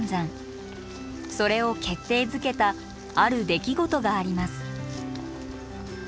それを決定づけたある出来事があります。